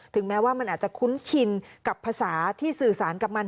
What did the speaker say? แม้ว่ามันอาจจะคุ้นชินกับภาษาที่สื่อสารกับมัน